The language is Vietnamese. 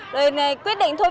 rồi quyết định thôi